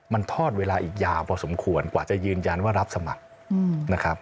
มันทอดเวลาอีกยาวพอสมควรกว่าจะยืนยันว่ารับสมัครนะครับ